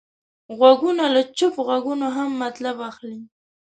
غوږونه له چوپ غږونو هم مطلب اخلي